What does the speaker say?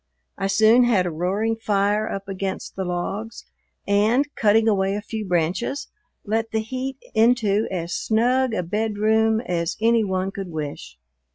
I soon had a roaring fire up against the logs and, cutting away a few branches, let the heat into as snug a bedroom as any one could wish.